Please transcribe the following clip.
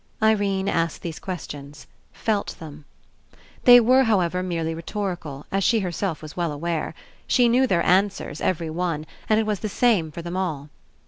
Irene asked these questions, felt them. They were, however, merely rhetorical, as she herself was well aware. She knew their an swers, every one, and it was the same for them all.